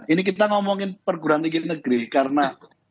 ini kita ngomongin perguruan tinggi negeri karena